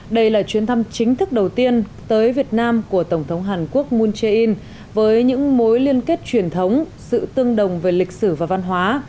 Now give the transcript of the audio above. đây là chuyến thăm chính thức đầu tiên tới việt nam của tổng thống hàn quốc moon jae in với những mối liên kết truyền thống sự tương đồng về lịch sử và văn hóa